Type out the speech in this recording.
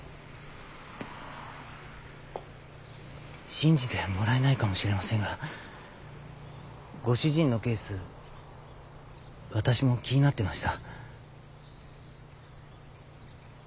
信じてもらえないかもしれませんがご主人のケース私も気になってました。